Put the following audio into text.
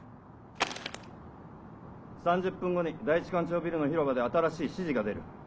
３０分後に第一官庁ビルの広場で新しい指示が出る。